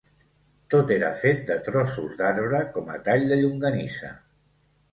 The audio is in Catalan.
Tot era fet de trossos d'arbre com a tall de llonganissa